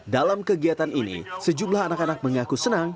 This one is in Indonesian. dalam kegiatan ini sejumlah anak anak mengaku senang